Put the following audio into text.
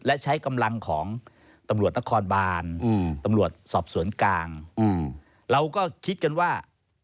เราก็คิดกันว่า